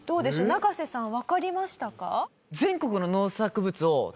永瀬さんわかりましたか？